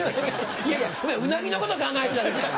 いやいやうなぎのこと考えただけじゃん！